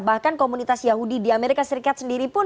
bahkan komunitas yahudi di amerika serikat sendiri pun